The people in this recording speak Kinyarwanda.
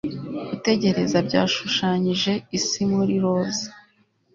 Gutegereza byashushanyije isi muri roza